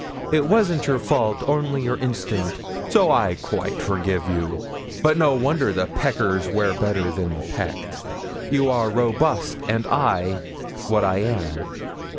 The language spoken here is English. It wasn't your fault, only your instinct, so I quite forgive you; but no wonder the peckers wear better than the pecked. You are robust; and I, what I am."